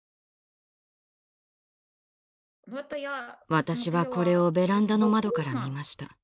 私はこれをベランダの窓から見ました。